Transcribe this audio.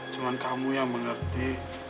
cuma kamu yang mengerti